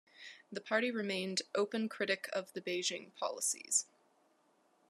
The party remained open critic of the Beijing policies.